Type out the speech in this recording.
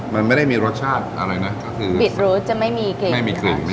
มีชีสค่ะ